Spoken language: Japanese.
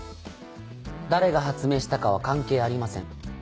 誰が発明したかは関係ありません。